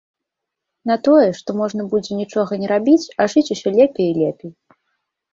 На тое, што можна будзе нічога не рабіць, а жыць усё лепей і лепей.